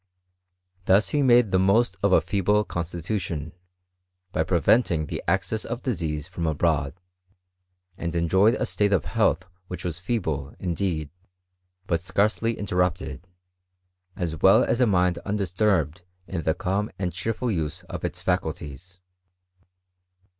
Thus he made the most of a«feeble constitution, by ]>reyenting the access of disease from abroad. And enjoyed a state of health which was feeble, indeed, but scarcely interrupted ; as well as a mind undisturbed in the calm and cheerful use of its faculties.